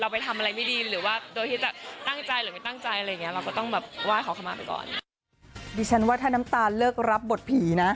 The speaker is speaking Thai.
เพราะว่าเราก็ไม่รู้ว่าเราไปทำอะไรไม่ดี